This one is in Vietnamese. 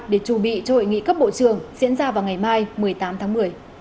để chuẩn bị cho hội nghị cấp bộ trưởng diễn ra vào ngày mai một mươi tám tháng một mươi